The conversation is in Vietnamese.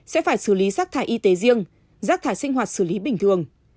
sẽ phải xử lý rác thải y tế riêng rác thải sinh hoạt xử lý bình thường